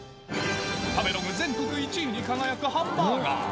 食べログ全国１位に輝くハンバーガー。